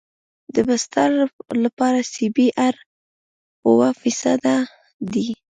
د بستر لپاره سی بي ار اوه فیصده دی